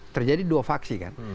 terjadi dua faksi kan